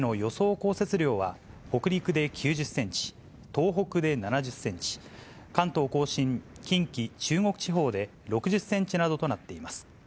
降雪量は、北陸で９０センチ、東北で７０センチ、関東甲信、近畿、中国地方で６０センチなどとなっています。